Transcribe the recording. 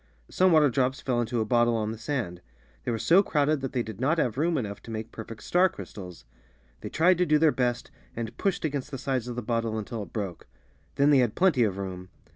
Some water drops fell into a bottle on the sand; they were so crowded that they did not have room enough to make perfect star crys tals. They tried to do their best, and pushed against the sfdes of the bottle until it broke. Then they had plenty of room.